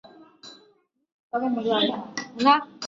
真幸站肥萨线上的车站。